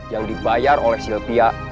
yang dibayar oleh silvia